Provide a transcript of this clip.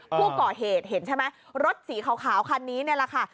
ผู้ก่อเหตุเห็นใช่ไหมรถสีขาวคันนี้นี่แหละค่ะ